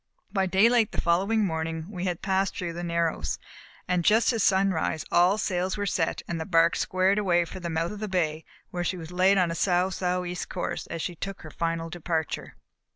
By daylight the following morning we had passed through the "Narrows", and just at sunrise all sails were set and the bark squared away for the mouth of the bay where she was laid on a sou', sou' east course as she took her final departure.